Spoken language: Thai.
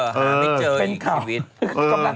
หาไม่เจออีกชีวิต